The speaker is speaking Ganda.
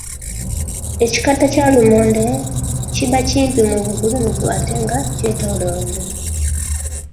Ekikata kya lumonde kiba kimpi mu bugulumivu ate nga kyetooloovu.